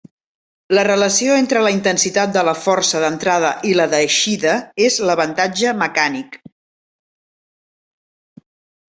La relació entre la intensitat de la força d'entrada i la d'eixida és l'avantatge mecànic.